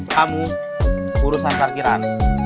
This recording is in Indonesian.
kamu urusan parkiran